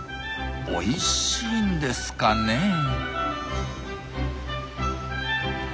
おいしいんですかねえ？